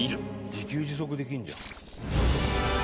自給自足できるじゃん。